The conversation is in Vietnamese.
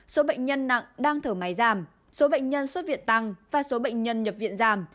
số bệnh nhân nặng đang thở máy giảm số bệnh nhân xuất viện tăng và số bệnh nhân nhập viện giảm